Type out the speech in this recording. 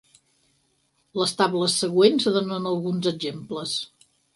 Les tables següents donen alguns exemples.